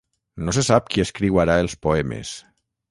No se sap qui escriu ara els poemes.